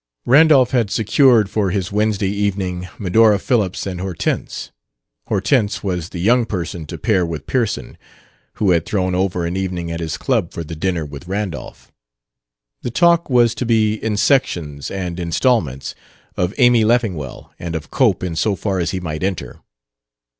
Randolph had secured for his Wednesday evening Medora Phillips and Hortense. Hortense was the young person to pair with Pearson, who had thrown over an evening at his club for the dinner with Randolph. The talk was to be in sections and installments of Amy Leffingwell, and of Cope in so far as he might enter.